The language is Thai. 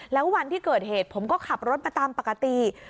แล้ววันที่เกิดเหตุผมก็ขับรถมาตามปกติ